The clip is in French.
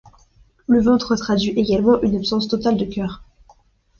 Le ventre traduit également une absence totale de cœur.